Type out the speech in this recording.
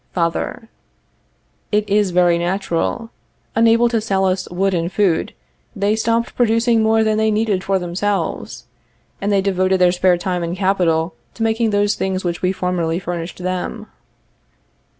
Father. It is very natural. Unable to sell us wood and food, they stopped producing more than they needed for themselves, and they devoted their spare time and capital to making those things which we formerly furnished them.